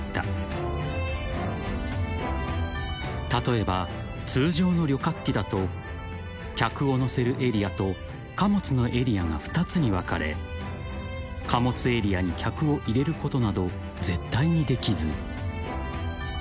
［例えば通常の旅客機だと客を乗せるエリアと貨物のエリアが２つに分かれ貨物エリアに客を入れることなど絶対にできず］